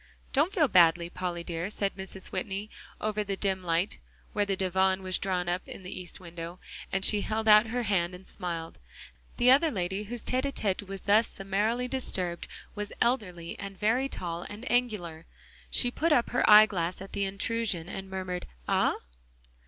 "Don't feel badly, Polly dear," said Mrs. Whitney, over in the dim light, where the divan was drawn up in the east window, and she held out her hand and smiled; the other lady whose tete a tete was thus summarily disturbed was elderly and very tall and angular. She put up her eyeglass at the intrusion and murmured "Ah?"